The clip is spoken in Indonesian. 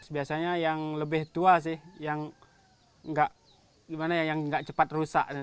biasanya yang lebih tua sih yang nggak cepat rusak